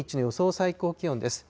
最高気温です。